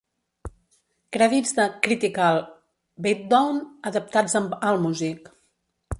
Crèdits de "Critical Beatdown" adaptats amb Allmusic.